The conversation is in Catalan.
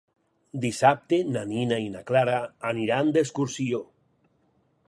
Dissabte na Nina i na Clara aniran d'excursió.